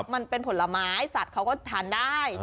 มันเป็นผลไม้สัตว์เขาก็ทานได้